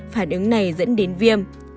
phản ứng này dẫn đến viêm